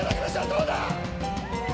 どうだ？